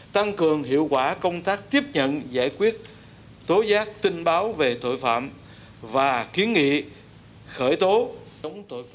tăng cường hiệu quả công tác tiếp nhận giải quyết tố giác tin báo về tội phạm và kiến nghị khởi tố